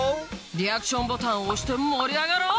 リアクションボタンを押して盛り上がろう！